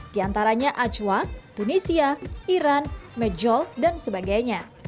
diantaranya acwa tunisia iran medjol dan sebagainya